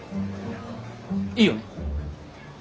いいよね？